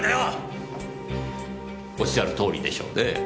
おっしゃるとおりでしょうね。